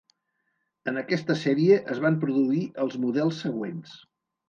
En aquesta sèrie es van produir els models següents.